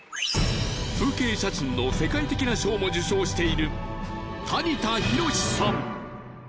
風景写真の世界的な賞も受賞している谷田洋史さん